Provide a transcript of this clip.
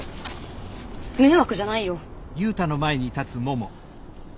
迷惑じゃないよ。